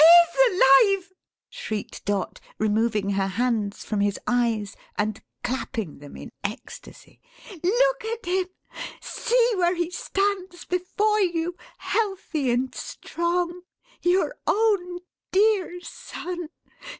"He is alive!" shrieked Dot, removing her hands from his eyes, and clapping them in ecstacy; "look at him! See where he stands before you, healthy and strong! Your own dear son!